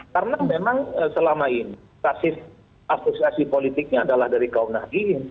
karena memang selama ini asusiasi politiknya adalah dari kaum nabi